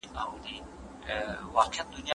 دوی ته درناوی کوو.